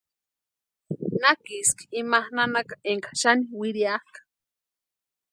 Nakiski ima nanaka énka xani wiriakʼa.